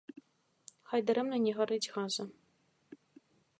Хай дарэмна не гарыць газа.